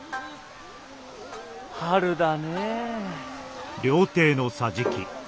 春だねえ。